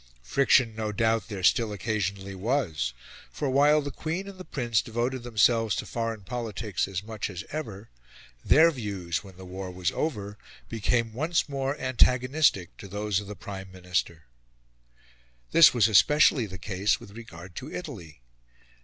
Friction, no doubt, there still occasionally was, for, while the Queen and the Prince devoted themselves to foreign politics as much as ever, their views, when the war was over, became once more antagonistic to those of the Prime Minister. This was especially the case with regard to Italy.